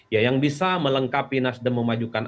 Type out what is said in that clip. ya yang bisa melengkapi nasdem memajukan